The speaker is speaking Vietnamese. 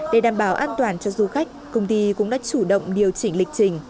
để đảm bảo an toàn cho du khách công ty cũng đã chủ động điều chỉnh lịch trình